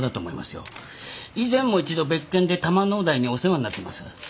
以前も一度別件で多摩農大にお世話になってます。